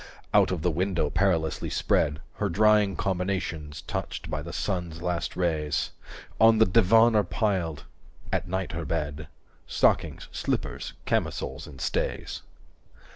Out of the window perilously spread Her drying combinations touched by the sun's last rays, 225 On the divan are piled (at night her bed) Stockings, slippers, camisoles, and stays.